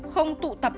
không tụ tập